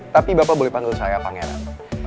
tapi bapak boleh panggil saya pangeran